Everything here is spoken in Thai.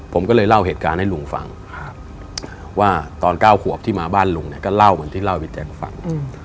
ผมก็เลยเล่าเหตุการณ์ให้ลุงฟังว่าตอน๙ขวบที่มาบ้านลุงเนี่ยก็เล่าเหมือนที่เล่าให้พี่แจ๊คฟัง